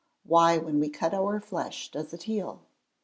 _Why when we cut our flesh does it heal?